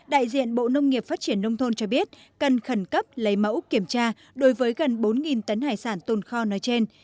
đại diện bộ nông nghiệp phát triển nông thôn cho biết cần khẩn cấp lấy mẫu kiểm tra đối với gần bốn tấn hải sản tồn kho nói trên